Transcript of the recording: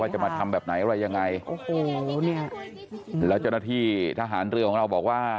จะมาทำแบบไหนอะไรยังไงโอ้โหเนี่ยแล้วเจ้าหน้าที่ทหารเรือของเราบอกว่า